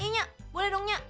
iya nyak boleh dong nyak